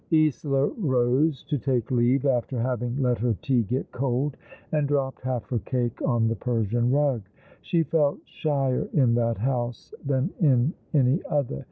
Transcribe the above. Isola rose to take leave, after having let her tea get cold, and dropped half her cake on the Persian rug. She felt shyer in that house than in any other.